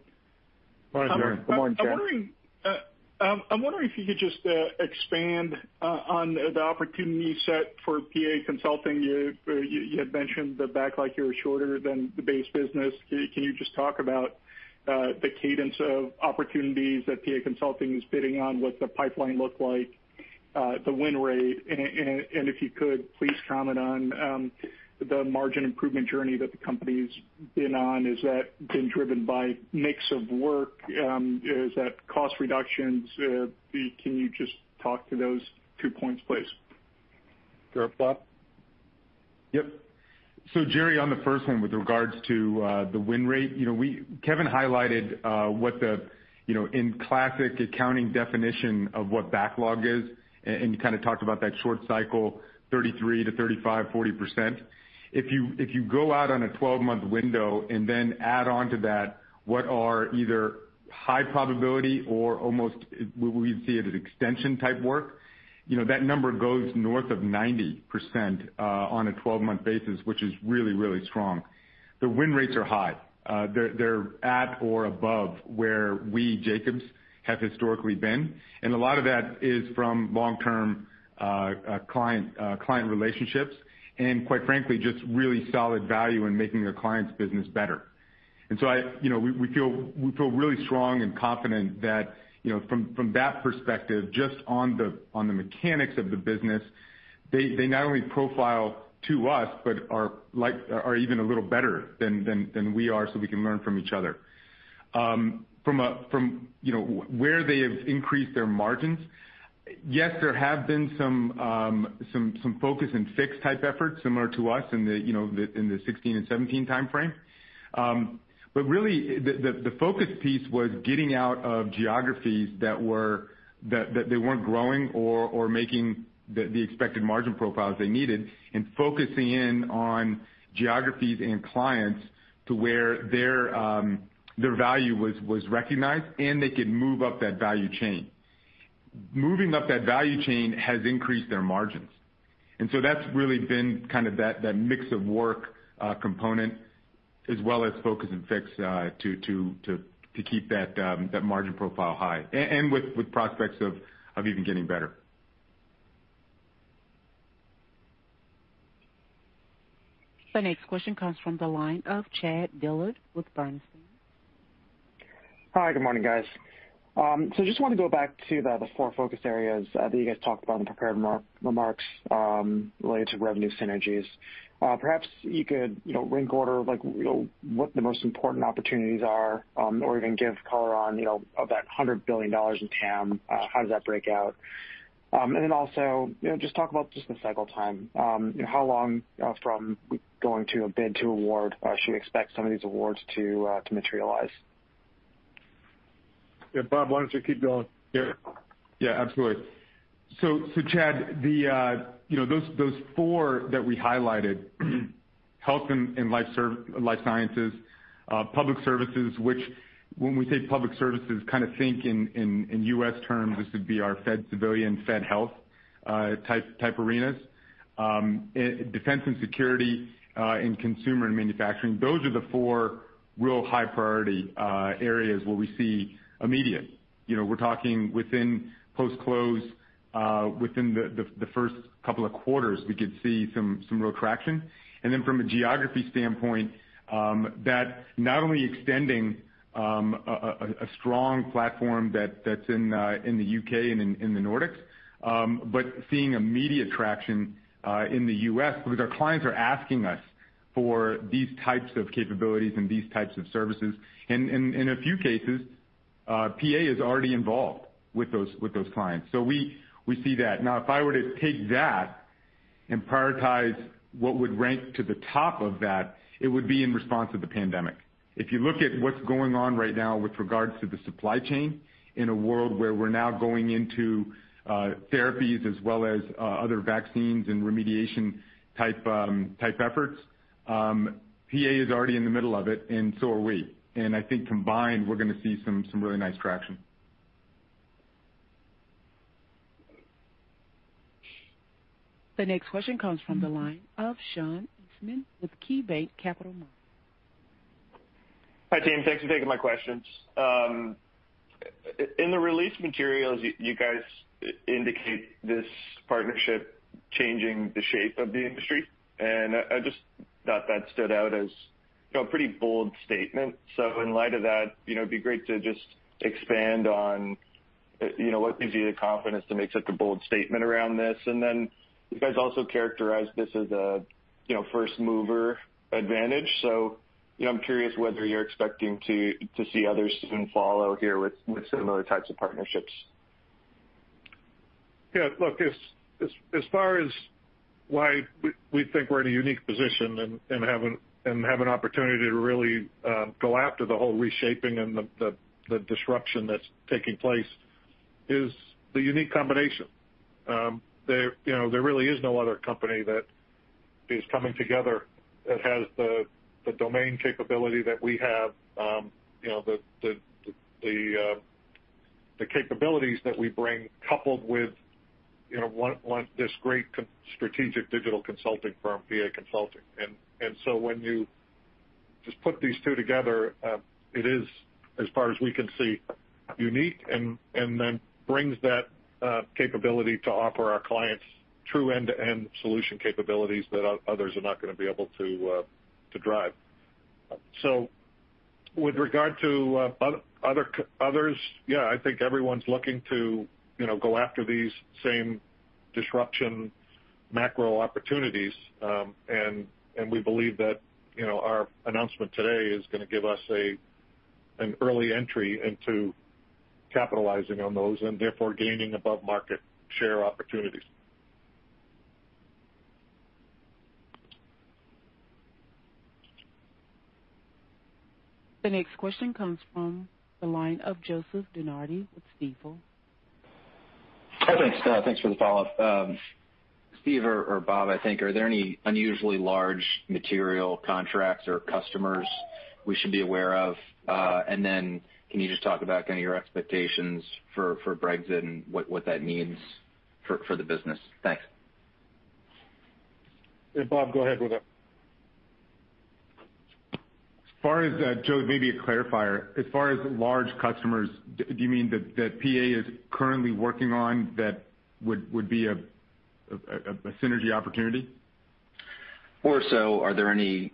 Good morning, Jerry. Good morning, Kevin. I'm wondering if you could just expand on the opportunity set for PA Consulting. You had mentioned the backlog here is shorter than the base business. Can you just talk about the cadence of opportunities that PA Consulting is bidding on? What's the pipeline look like? The win rate? And if you could, please comment on the margin improvement journey that the company's been on. Is that been driven by mix of work? Is that cost reductions? Can you just talk to those two points, please? Sure. Bob? Yep. So Jerry, on the first one with regards to the win rate, Kevin highlighted what the classic accounting definition of what backlog is. And you kind of talked about that short cycle, 33%-35%, 40%. If you go out on a 12-month window and then add on to that what are either high probability or almost, we would see it as extension-type work, that number goes north of 90% on a 12-month basis, which is really, really strong. The win rates are high. They're at or above where we, Jacobs, have historically been. A lot of that is from long-term client relationships and, quite frankly, just really solid value in making the client's business better. And so we feel really strong and confident that from that perspective, just on the mechanics of the business, they not only profile to us, but are even a little better than we are so we can learn from each other. From where they have increased their margins, yes, there have been some focus and fix-type efforts similar to us in the 2016 and 2017 timeframe. But really, the focus piece was getting out of geographies that they weren't growing or making the expected margin profiles they needed and focusing in on geographies and clients to where their value was recognized and they could move up that value chain. Moving up that value chain has increased their margins. And so that's really been kind of that mix of work component as well as focus and fix to keep that margin profile high and with prospects of even getting better. The next question comes from the line of Chad Dillard with Bernstein. Hi. Good morning, guys. So I just wanted to go back to the four focus areas that you guys talked about in the prepared remarks related to revenue synergies. Perhaps you could rank order what the most important opportunities are or even give color on of that $100 billion in TAM. How does that break out? And then also just talk about just the cycle time. How long from going to a bid to award should we expect some of these awards to materialize? Yeah. Bob, why don't you keep going here? Yeah. Absolutely. So Chad, those four that we highlighted, health and life sciences, public services, which when we say public services, kind of think in U.S. terms, this would be our Fed civilian, Fed health type arenas. Defense and security and consumer and manufacturing. Those are the four real high-priority areas where we see immediate. We're talking within post-close, within the first couple of quarters, we could see some real traction. And then from a geography standpoint, that not only extending a strong platform that's in the UK and in the Nordics, but seeing immediate traction in the U.S. because our clients are asking us for these types of capabilities and these types of services. And in a few cases, PA is already involved with those clients. So we see that. Now, if I were to take that and prioritize what would rank to the top of that, it would be in response to the pandemic. If you look at what's going on right now with regards to the supply chain in a world where we're now going into therapies as well as other vaccines and remediation-type efforts, PA is already in the middle of it, and so are we, and I think combined, we're going to see some really nice traction. The next question comes from the line of Sean Eastman with KeyBanc Capital Markets. Hi, team. Thanks for taking my questions. In the release materials, you guys indicate this partnership changing the shape of the industry, and I just thought that stood out as a pretty bold statement, so in light of that, it'd be great to just expand on what gives you the confidence to make such a bold statement around this, and then you guys also characterized this as a first-mover advantage. So I'm curious whether you're expecting to see others soon follow here with similar types of partnerships. Yeah. Look, as far as why we think we're in a unique position and have an opportunity to really go after the whole reshaping and the disruption that's taking place is the unique combination. There really is no other company that is coming together that has the domain capability that we have, the capabilities that we bring coupled with this great strategic digital consulting firm, PA Consulting. And so when you just put these two together, it is, as far as we can see, unique and then brings that capability to offer our clients true end-to-end solution capabilities that others are not going to be able to drive. So with regard to others, yeah, I think everyone's looking to go after these same disruption macro opportunities. We believe that our announcement today is going to give us an early entry into capitalizing on those and therefore gaining above-market share opportunities. The next question comes from the line of Joseph DeNardi with Stifel. Hi, thanks. Thanks for the follow-up. Steve or Bob, I think, are there any unusually large material contracts or customers we should be aware of? And then can you just talk about kind of your expectations for Brexit and what that means for the business? Thanks. Yeah. Bob, go ahead with it. As far as, Joe, maybe a clarifier, as far as large customers, do you mean that PA is currently working on that would be a synergy opportunity? Or so, are there any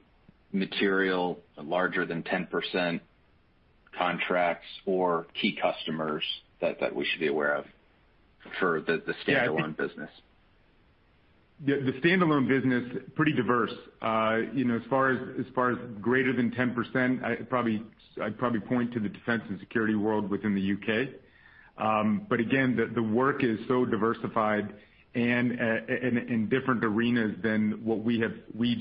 material larger than 10% contracts or key customers that we should be aware of for the standalone business? Yeah. The standalone business, pretty diverse. As far as greater than 10%, I'd probably point to the defense and security world within the UK. But again, the work is so diversified and in different arenas than what we,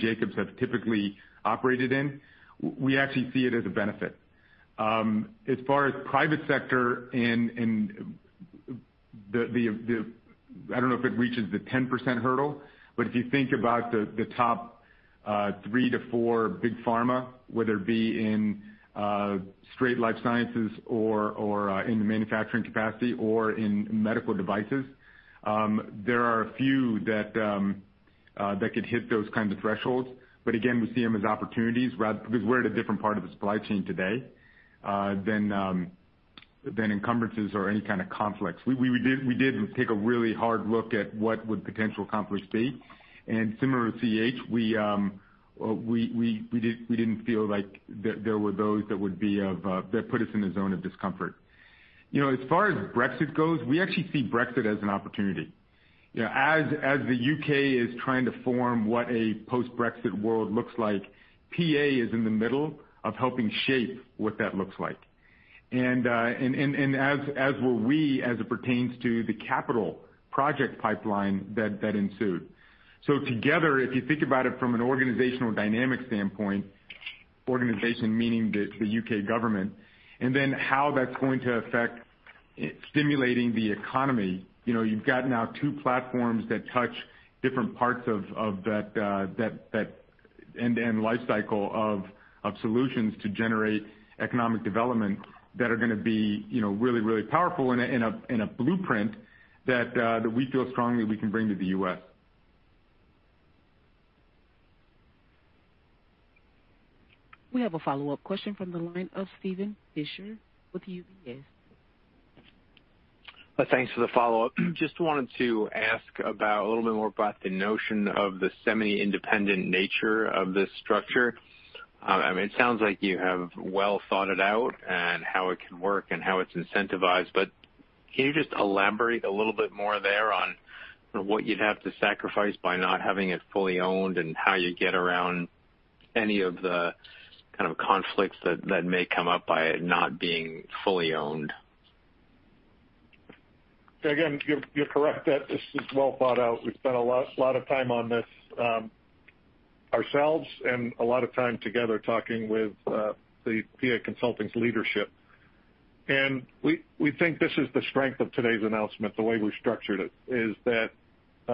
Jacobs, have typically operated in, we actually see it as a benefit. As far as private sector and the—I don't know if it reaches the 10% hurdle, but if you think about the top three to four big pharma, whether it be in straight life sciences or in manufacturing capacity or in medical devices, there are a few that could hit those kinds of thresholds. But again, we see them as opportunities because we're at a different part of the supply chain today than encumbrances or any kind of conflicts. We did take a really hard look at what would potential conflicts be. And similar with CH, we didn't feel like there were those that would be of that put us in a zone of discomfort. As far as Brexit goes, we actually see Brexit as an opportunity. As the UK is trying to form what a post-Brexit world looks like, PA is in the middle of helping shape what that looks like. And as were we as it pertains to the capital project pipeline that ensued. So together, if you think about it from an organizational dynamic standpoint, organization meaning the UK government, and then how that's going to affect stimulating the economy, you've got now two platforms that touch different parts of that end-to-end life cycle of solutions to generate economic development that are going to be really, really powerful in a blueprint that we feel strongly we can bring to the US. We have a follow-up question from the line of Steven Fisher with UBS. Thanks for the follow-up. Just wanted to ask a little bit more about the notion of the semi-independent nature of this structure. I mean, it sounds like you have well thought it out and how it can work and how it's incentivized. But can you just elaborate a little bit more there on what you'd have to sacrifice by not having it fully owned and how you get around any of the kind of conflicts that may come up by it not being fully owned? Again, you're correct that this is well thought out. We've spent a lot of time on this ourselves and a lot of time together talking with the PA Consulting's leadership. We think this is the strength of today's announcement. The way we've structured it is that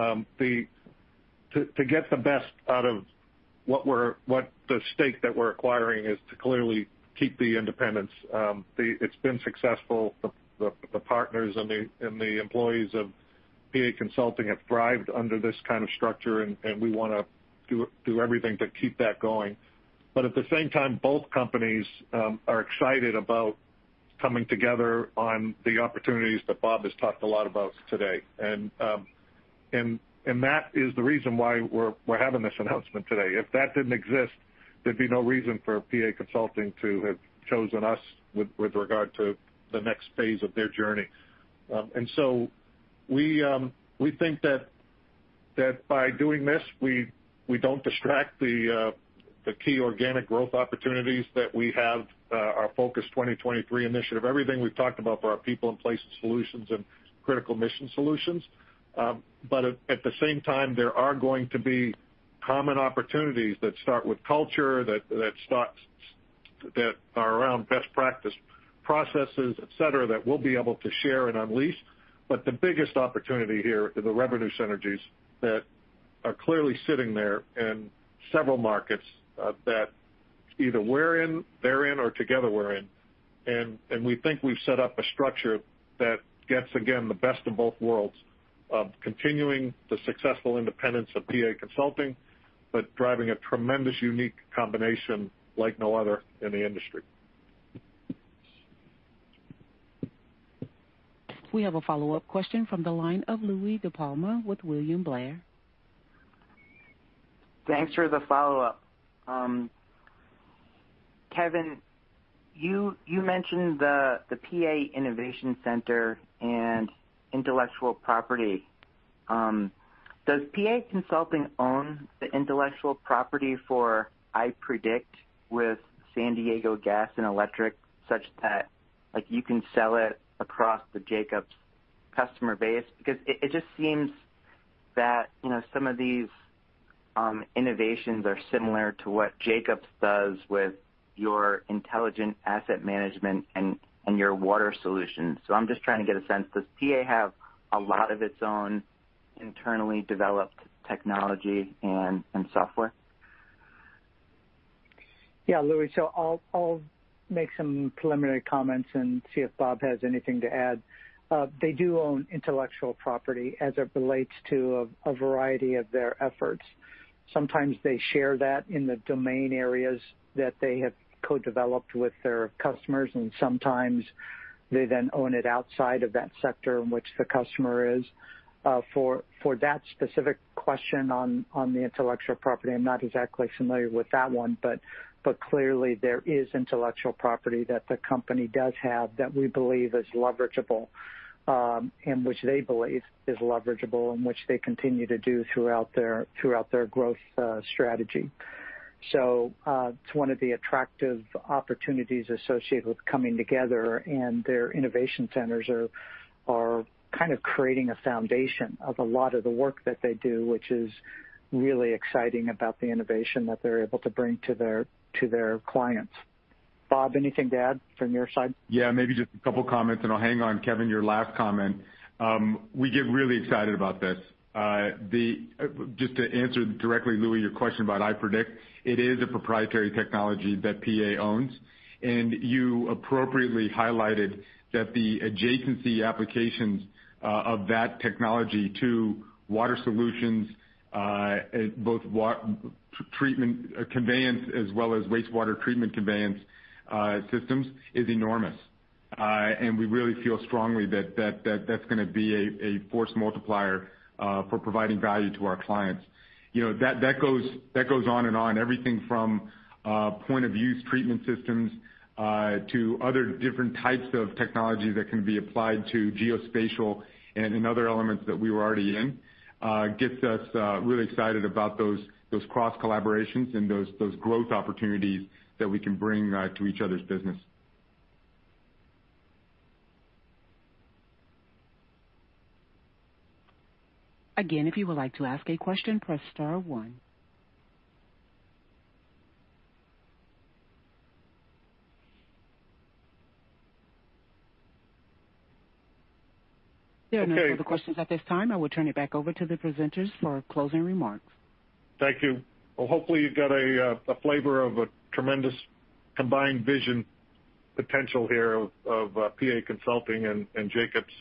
to get the best out of the stake that we're acquiring is to clearly keep the independence. It's been successful. The partners and the employees of PA Consulting have thrived under this kind of structure, and we want to do everything to keep that going. But at the same time, both companies are excited about coming together on the opportunities that Bob has talked a lot about today. That is the reason why we're having this announcement today. If that didn't exist, there'd be no reason for PA Consulting to have chosen us with regard to the next phase of their journey. And so we think that by doing this, we don't distract the key organic growth opportunities that we have, our Focus 2023 initiative, everything we've talked about for our People & Places Solutions and Critical Mission Solutions. But at the same time, there are going to be common opportunities that start with culture, that are around best practice processes, etc., that we'll be able to share and unleash. But the biggest opportunity here are the revenue synergies that are clearly sitting there in several markets that either we're in, they're in, or together we're in. And we think we've set up a structure that gets, again, the best of both worlds of continuing the successful independence of PA Consulting but driving a tremendous unique combination like no other in the industry. We have a follow-up question from the line of Louie DiPalma with William Blair. Thanks for the follow-up. Kevin, you mentioned the PA Innovation Center and intellectual property. Does PA Consulting own the intellectual property for iPredict with San Diego Gas and Electric such that you can sell it across the Jacobs customer base? Because it just seems that some of these innovations are similar to what Jacobs does with your intelligent asset management and your water solutions. So I'm just trying to get a sense. Does PA have a lot of its own internally developed technology and software? Yeah. Louie, so I'll make some preliminary comments and see if Bob has anything to add. They do own intellectual property as it relates to a variety of their efforts. Sometimes they share that in the domain areas that they have co-developed with their customers, and sometimes they then own it outside of that sector in which the customer is. For that specific question on the intellectual property, I'm not exactly familiar with that one, but clearly, there is intellectual property that the company does have that we believe is leverageable and which they believe is leverageable and which they continue to do throughout their growth strategy, so it's one of the attractive opportunities associated with coming together, and their innovation centers are kind of creating a foundation of a lot of the work that they do, which is really exciting about the innovation that they're able to bring to their clients. Bob, anything to add from your side? Yeah. Maybe just a couple of comments, and I'll hang on, Kevin, your last comment. We get really excited about this. Just to answer directly, Louie, your question about iPredict, it is a proprietary technology that PA owns. You appropriately highlighted that the adjacency applications of that technology to water solutions, both treatment conveyance as well as wastewater treatment conveyance systems, is enormous. And we really feel strongly that that's going to be a force multiplier for providing value to our clients. That goes on and on. Everything from point-of-use treatment systems to other different types of technology that can be applied to geospatial and other elements that we were already in gets us really excited about those cross-collaborations and those growth opportunities that we can bring to each other's business. Again, if you would like to ask a question, press star one. There are no further questions at this time. I will turn it back over to the presenters for closing remarks. Thank you. Well, hopefully, you've got a flavor of a tremendous combined vision potential here of PA Consulting and Jacobs.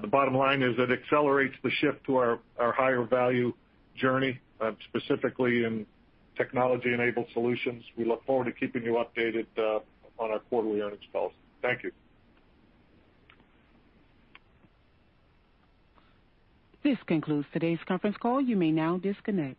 The bottom line is it accelerates the shift to our higher value journey, specifically in technology-enabled solutions. We look forward to keeping you updated on our quarterly earnings calls. Thank you. This concludes today's conference call. You may now disconnect.